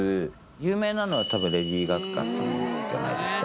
有名なのは多分レディー・ガガさんじゃないですか？